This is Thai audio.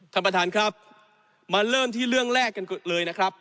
ท่านประธานครับมาเริ่มที่เรื่องแรกกันก่อนเลยนะครับ